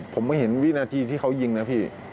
ผมไม่เห็นวินาทีที่เขายิงนะพี่